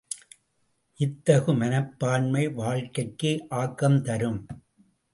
இத்தகு மனப்பான்மை வாழ்க்கைக்கு ஆக்கம் தரும்.